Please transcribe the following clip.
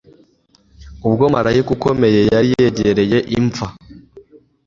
Ubwo Maraika ukomeye yari yegereye imva,